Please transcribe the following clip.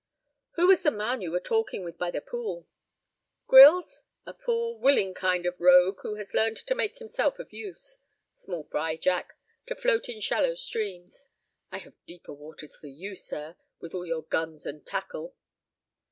"Who was the man you were talking with by the Pool?" "Grylls? A poor, willing kind of rogue who has learned to make himself of use. Small fry, Jack, to float in shallow streams. I have deeper waters for you, sir, with all your guns and tackle."